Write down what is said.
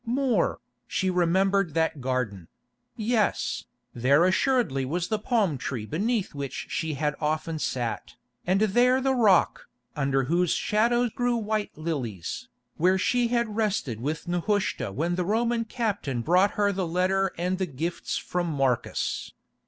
More, she remembered that garden; yes, there assuredly was the palm tree beneath which she had often sat, and there the rock, under whose shadow grew white lilies, where she had rested with Nehushta when the Roman captain brought her the letter and the gifts from Marcus.